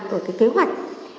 của cái kế hoạch